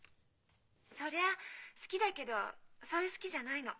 ☎そりゃ好きだけどそういう好きじゃないの。